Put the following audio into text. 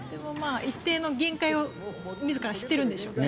一定の限界を自ら知ってるんでしょうね。